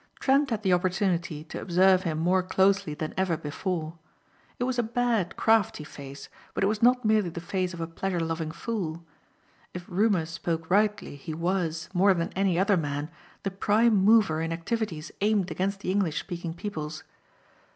Trent had the opportunity to observe him more closely than ever before. It was a bad, crafty face but it was not merely the face of a pleasure loving fool. If rumor spoke rightly he was, more than any other man, the prime mover in activities aimed against the English speaking peoples.